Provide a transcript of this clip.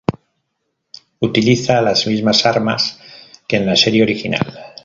Utiliza las mismas armas que en la serie original.